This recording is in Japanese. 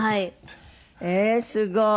ええーすごい。